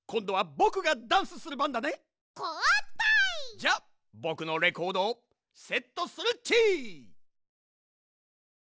じゃあぼくのレコードをセットするっち。